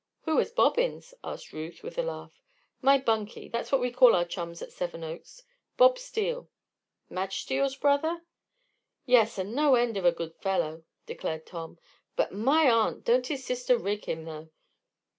"Who is Bobbins?" asked Ruth, with a laugh. "My bunkie that's what we call our chums at Seven Oaks. Bob Steele." "Madge Steele's brother?" "Yes. And no end of a good fellow," declared Tom. "But, my aunt! don't his sister rig him, though?